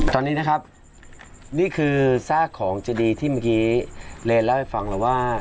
ตอนนี้นะครับนี่คือซากของเจดีที่เมื่อกี้เรนเล่าให้ฟังแล้วว่า